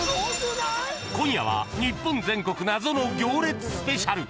今夜は日本全国謎の行列スペシャル。